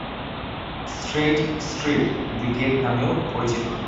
Straight street "the gut" নামেও পরিচিত।